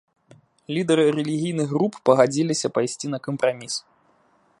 Лідары рэлігійных груп пагадзіліся пайсці на кампраміс.